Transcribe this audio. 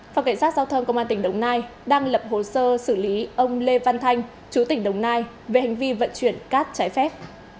phòng cảnh sát giao thông công an tỉnh đồng nai đang lập hồ sơ xử lý ông lê văn thanh chú tỉnh đồng nai về hành vi vận chuyển cát trái phép